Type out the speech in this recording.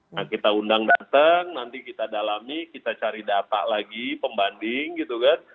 nah kita undang datang nanti kita dalami kita cari data lagi pembanding gitu kan